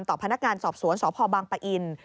ต่อพนักงานสอบสวนสพปะอิน